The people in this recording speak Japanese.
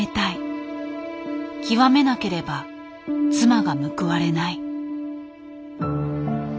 極めなければ妻が報われない。